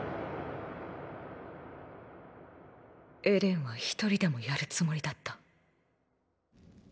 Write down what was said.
エレンは一人でもやるつもりだった。